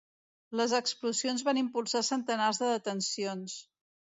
Les explosions van impulsar centenars de detencions.